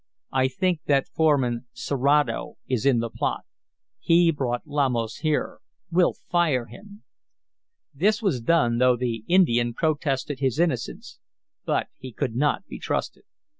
I think that foreman, Serato, is in the plot. He brought Lamos here. We'll fire him!" This was done, though the Indian protested his innocence. But he could not be trusted.